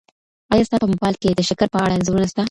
ایا ستا په موبایل کي د شکر په اړه انځورونه سته؟